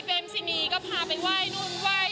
แล้วก็พักผ่อนน้อยมาก